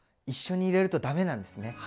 一緒に入れるとダメなんですね。